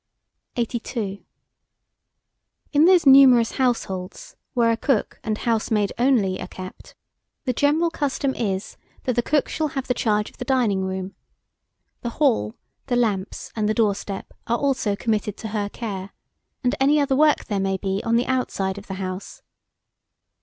82. IN THOSE NUMEROUS HOUSEHOLDS where a cook and housemaid are only kept, the general custom is, that the cook should have the charge of the dining room. The hall, the lamps and the doorstep are also committed to her care, and any other work there may be on the outside of the house.